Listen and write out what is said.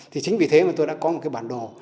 thì chính vì thế mà tôi đã có một cái bản đồ